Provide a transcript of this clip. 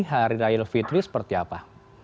hari raya idul fitri seperti apa